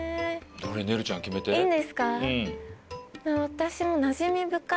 私もなじみ深い。